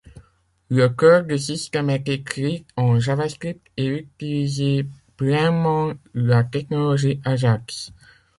Le cœur du système est écrit en JavaScript et utilise pleinement la technologie Ajax.